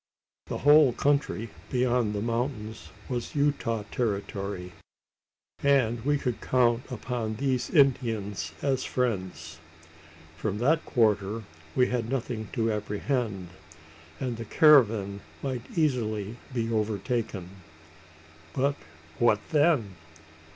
The whole country beyond the mountains was Utah territory; and we could count upon these Indians as friends. From that quarter we had nothing to apprehend; and the caravan might easily be overtaken. But what then?